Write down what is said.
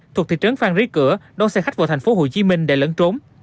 thuộc thị trấn phan rí cửa đón xe khách vào thành phố hồ chí minh để lẫn trốn